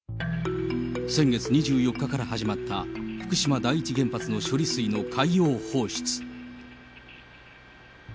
先月２４日から始まった、福島第一原発の処理水の海洋放出。